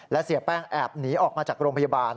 และเสียแป้งแอบหนีออกมาจากโรงพยาบาล